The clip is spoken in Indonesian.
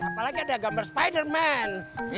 apalagi ada gambar spiderman